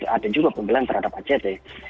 ada juga pembelian terhadap act